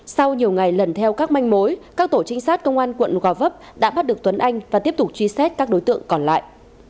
sau nhiều ngày lần theo các manh mối các tổ trinh sát công an quận gò vấp đã bắt được tuấn anh và tiếp tục truy xét các đối tượng còn lại